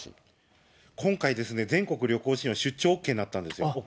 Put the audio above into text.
今回ですね、全国旅行支援は出張ＯＫになったんですよ。